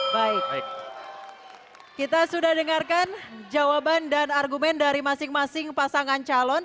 baik baik kita sudah dengarkan jawaban dan argumen dari masing masing pasangan calon